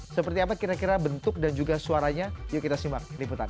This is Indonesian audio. seperti apa kira kira bentuk dan juga suaranya yuk kita simak liputan